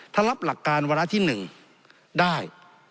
ถ้ารับหลักการวันละที่หนึ่งได้